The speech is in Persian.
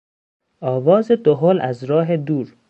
آواز دهل از راه دور